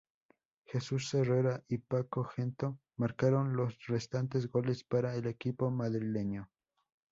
Jesús Herrera y Paco Gento marcaron los restantes goles para el equipo madrileño.